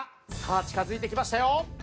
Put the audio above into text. さあ近づいてきましたよ。